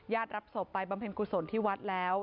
รับศพไปบำเพ็ญกุศลที่วัดแล้ว